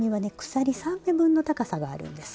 鎖３目分の高さがあるんです。